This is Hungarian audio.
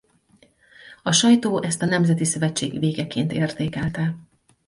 A sajtó ezt a Nemzeti Szövetség végeként értékelte.